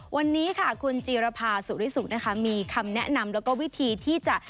วันนี้ค่ะคุณจีรภาสุริสุนะคะมีคำแนะนำแล้วก็วิธีที่จะ